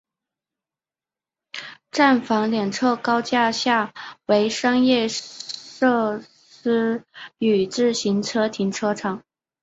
站房两侧高架下为商业设施与自行车停车场。